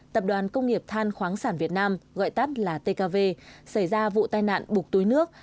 tập đoàn công nghiệp than khoáng sản việt nam gọi tắt là tkv xảy ra vụ tai nạn đục túi nước